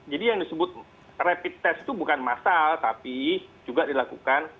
jadi yang disebut rapid test itu bukan masal tapi juga dilakukan